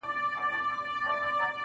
پدرلعنته حادثه ده او څه ستا ياد دی,